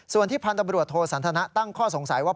ส่วนที่พันธบรวจโทสันทนะตั้งข้อสงสัยว่า